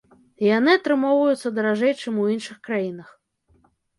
І яны атрымоўваюцца даражэй, чым у іншых краінах.